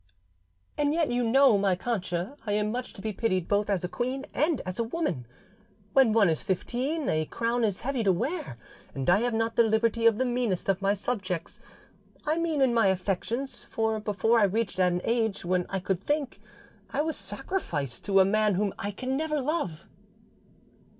"And yet you know, my Cancha, I am much to be pitied both as a queen and as a woman: when one is fifteen a crown is heavy to wear, and I have not the liberty of the meanest of my subjects—I mean in my affections; for before I reached an age when I could think I was sacrificed to a man whom I can never love."